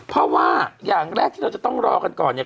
เพราะว่าอย่างแรกที่เราจะต้องรอกันก่อนเนี่ย